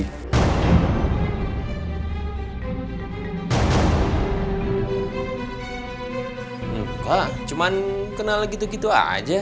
suka cuma kenal gitu gitu aja